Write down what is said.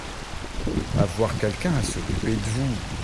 Avoir quelqu'un à s'occuper de vous.